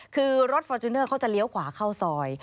คือรถฟอร์จูเนอร์เขาจะเลี้ยวขวาเข้าซอย